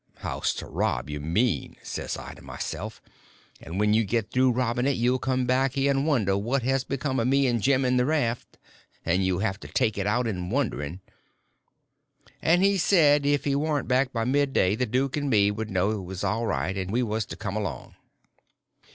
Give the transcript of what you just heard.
("House to rob, you mean," says I to myself; "and when you get through robbing it you'll come back here and wonder what has become of me and Jim and the raft—and you'll have to take it out in wondering.") And he said if he warn't back by midday the duke and me would know it was all right, and we was to come along.